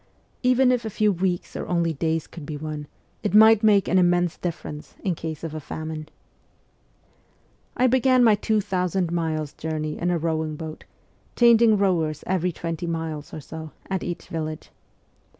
Even if a few weeks or only days could be won, it might make an immense difference in case of a famine. I began my two thousand miles' journey in a rowing boat, changing rowers each twenty miles or so, at each village.